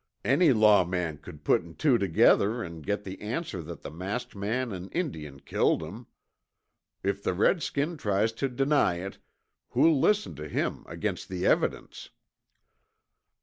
Any law man could put an' two together an' get the answer that the masked man an' Indian killed 'em. If the Redskin tries to deny it, who'll listen to him against the evidence?"